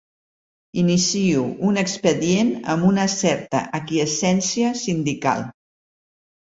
Inicio un expedient amb una certa aquiescència sindical.